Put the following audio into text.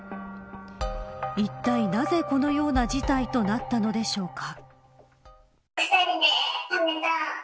いったいなぜ、このような事態となったのでしょうか。